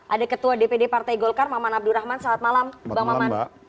ada ketua dpd partai golkar maman abdurrahman selamat malam bang maman